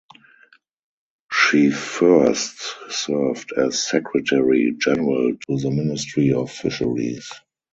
She first served as Secretary General to the Ministry of Fisheries.